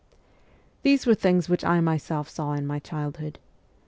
These were things which I myself saw in my child hood.